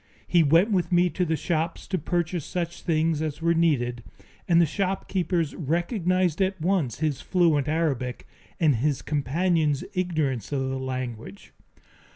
He went with me to the shops to purchase such things as were needed, and the shopkeepers recognized at once his fluent Arabic and his companion's ignorance of the language.